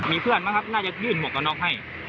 มีเพื่อนมาครับน่าจะยื่นหกละน้องให้